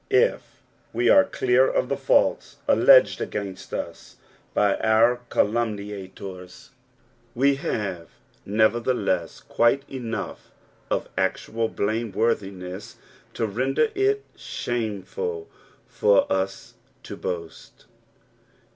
.If we arc clear of tho faults alleged against us by our calumniators, we have nevertheless quite enough of actual blameworthiness to render it shameful for us to boast.